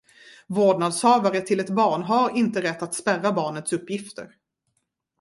Vårdnadshavare till ett barn har inte rätt att spärra barnets uppgifter.